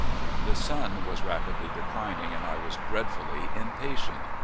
The sun was rapidly declining, and I was dreadfully impatient.